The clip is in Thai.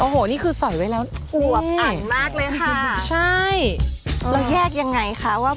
ขออนุญาต